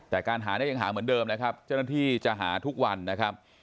แต่การหาเนี่ยยังหาเหมือนเดิมนะครับเจ้าหน้าที่จะหาทุกวันนะครับ